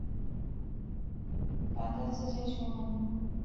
下半场西切罗将对方的传中挡进自家球门。